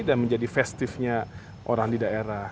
dan menjadi festifnya orang di daerah